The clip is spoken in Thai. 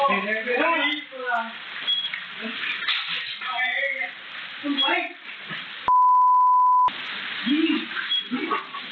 มึงไว้